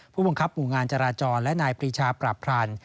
ผู้บังคับหมู่งานจราจรและนายปรีชาปราบพราน